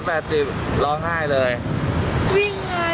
วิ่งไห้ตรงนี้ยังไม่ได้เท่าไหร่